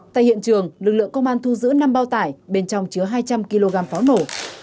tại hiện trường lực lượng công an thu giữ năm bao tải bên trong chứa hai trăm linh kg pháo nổ